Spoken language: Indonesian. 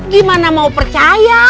gimana mau percaya